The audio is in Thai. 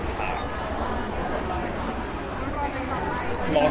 คิดกันอยู่ว่าอาจจะเป็นปีหน้าก็อาจจะเริ่มมีแฟน